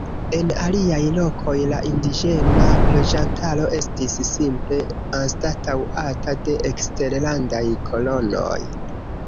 En aliaj lokoj, la indiĝena loĝantaro estis simple anstataŭata de eksterlandaj kolonoj.